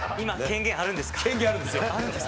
権限あるんですよ。